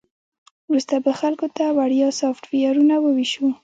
وروسته به خلکو ته وړیا سافټویرونه وویشو